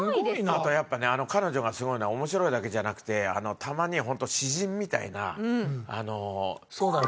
あとやっぱね彼女がすごいのは面白いだけじゃなくてたまに本当詩人みたいな。